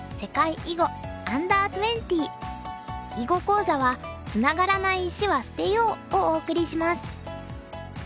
囲碁講座は「つながらない石は捨てよう」をお送りします。